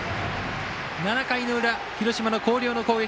７回の裏、広島の広陵の攻撃。